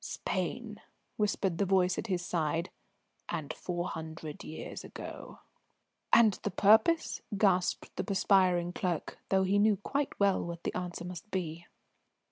"Spain!" whispered the voice at his side, "and four hundred years ago." "And the purpose?" gasped the perspiring clerk, though he knew quite well what the answer must be.